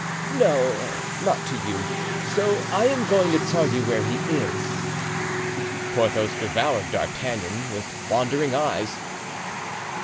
"No, not to you, so I am going to tell you where he is." Porthos devoured D'Artagnan with wondering eyes.